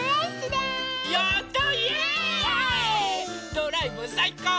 ドライブさいこう！